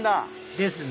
ですね